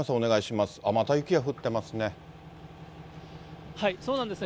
また雪が降ってますね。